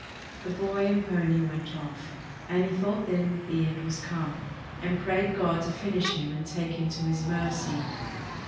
The boy and pony went off, and he thought then that the end was come and prayed God to finish him and take him to His mercy.